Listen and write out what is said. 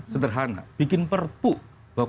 sederhana bikin perpuk bahwa